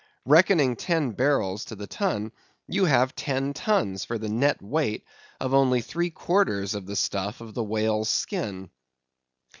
Reckoning ten barrels to the ton, you have ten tons for the net weight of only three quarters of the stuff of the whale's skin.